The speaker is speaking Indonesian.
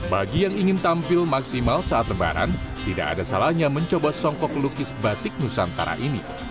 bagi yang ingin tampil maksimal saat lebaran tidak ada salahnya mencoba songkok lukis batik nusantara ini